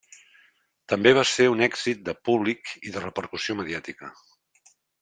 També va ser un èxit de públic i de repercussió mediàtica.